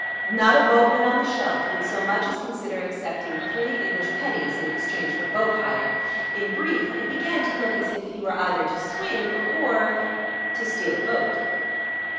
Not a boatman on the Scheldt would so much as consider accepting three English pennies in exchange for boat hire. In brief, it began to look as if he were either to swim or ... to steal a boat.